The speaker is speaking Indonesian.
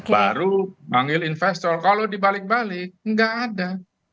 baru manggil investor kalau dibalik balik nggak ada